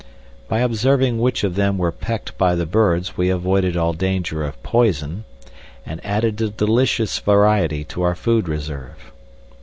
By observing which of them were pecked by the birds we avoided all danger of poison and added a delicious variety to our food reserve.